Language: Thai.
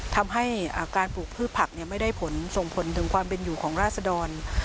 ทำให้การปลูกพืชผักไม่ได้ผลส่งผลถึงความเป็นอยู่ของราศดร